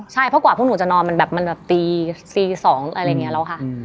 ใช่เพราะกว่าพวกหนูจะนอนมันแบบมันแบบตี๒อะไรอย่างนี้แล้วค่ะ